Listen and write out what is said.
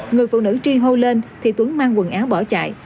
người phụ nữ tri hô lên thì tuấn mang quần áo bỏ chạy